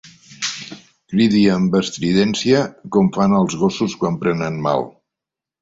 Cridi amb estridència com fan els gossos quan prenen mal.